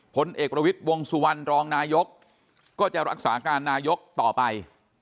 ผลเอกประวิทย์วงสุวรรณรองนายกก็จะรักษาการนายกต่อไป